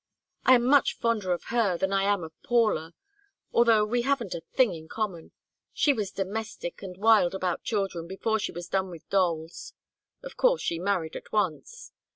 "I am much fonder of her than I am of Paula, although we haven't a thing in common. She was domestic and wild about children before she was done with dolls. Of course she married at once.